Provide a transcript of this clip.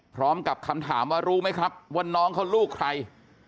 พร้อมกับคำถามว่ารู้ไหมครับว่าน้องเขาลูกใคร